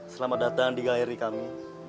selamat datang di galeri kami